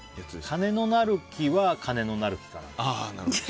金の生る木は、金のなる木かな。